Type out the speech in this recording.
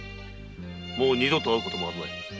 もう二度と会うこともあるまい。